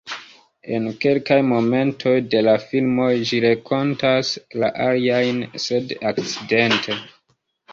En kelkaj momentoj de la filmoj ĝi renkontas la aliajn sed "akcidente".